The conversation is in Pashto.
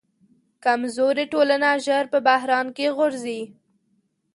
کمزورې ټولنه ژر په بحران کې غورځي.